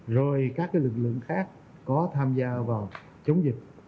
rồi các lực lượng khác có tham gia vào chống dịch